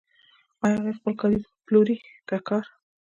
آیا هغه خپل کاري ځواک پلوري که کار